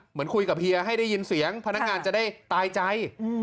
เหมือนกับคุยกับเฮียให้ได้ยินเสียงพนักงานจะได้ตายใจ